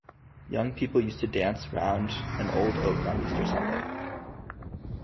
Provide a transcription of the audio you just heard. Young people used to dance round an old oak on Easter Saturday.